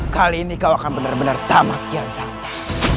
kali ini kau akan benar benar tamat kian santai